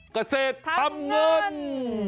เกษตรทำเงิน